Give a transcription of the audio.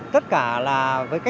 tất cả là với cách chữa cháy